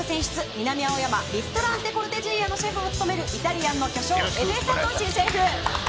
南青山リストランテコルテジーアのシェフを務めるイタリアンの巨匠江部敏史シェフ。